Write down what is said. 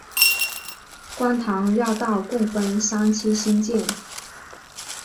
观塘绕道共分三期兴建。